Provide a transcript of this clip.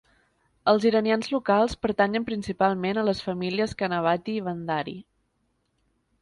Els iranians locals pertanyen principalment a les famílies Qanavati i Bandari.